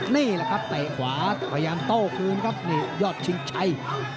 นี่แหละครับเตะขวาพยายามโต้คืนครับนี่ยอดชิงชัย